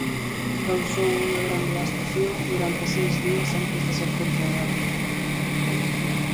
Causou unha gran devastación durante seis días antes de ser controlado.